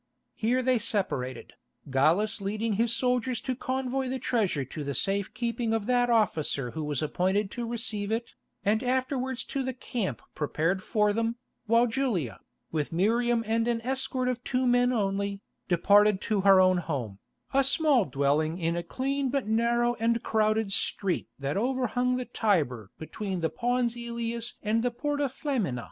Here they separated, Gallus leading his soldiers to convoy the treasure to the safe keeping of that officer who was appointed to receive it, and afterwards to the camp prepared for them, while Julia, with Miriam and an escort of two men only, departed to her own home, a small dwelling in a clean but narrow and crowded street that overhung the Tiber between the Pons Ælius and the Porta Flamina.